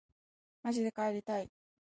まじで帰りたい